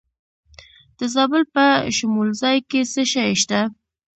د زابل په شمولزای کې څه شی شته؟